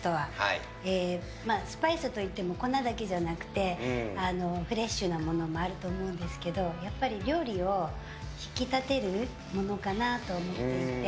スパイスといっても粉だけじゃなくてフレッシュなものもあると思うんですけどやっぱり料理を引き立てるものかなと思っていて。